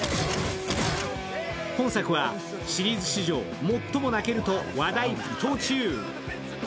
本作はシリーズ史上最も泣けると話題沸騰中。